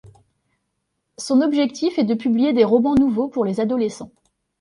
Son objectif est de publier des romans nouveaux pour les adolescents.